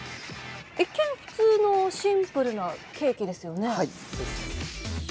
一見、普通のシンプルなケーキですよね？